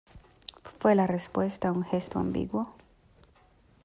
fué la respuesta un gesto ambiguo: